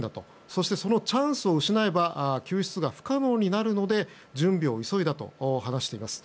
そしてそのチャンスを失えば救出が不可能になるので準備を急いだと話しています。